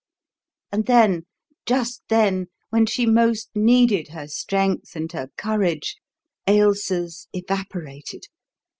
And then, just then, when she most needed her strength and her courage, Ailsa's evaporated.